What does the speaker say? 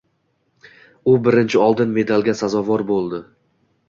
U birinchi oltin medalga sazovor bo‘ldi. d